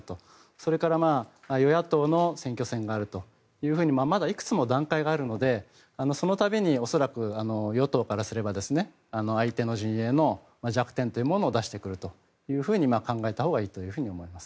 それから、与野党の選挙戦があるというふうにまだいくつも段階があるのでその度に恐らく与党からすれば相手の陣営の弱点というものを出してくると考えたほうがいいと思います。